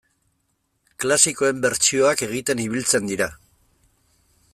Klasikoen bertsioak egiten ibiltzen dira.